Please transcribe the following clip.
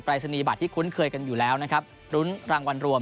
รายศนีย์บัตรที่คุ้นเคยกันอยู่แล้วนะครับรุ้นรางวัลรวม